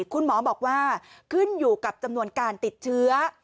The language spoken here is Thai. คุณหมอบอกว่าขึ้นอยู่กับจำนวนการติดเชื้อ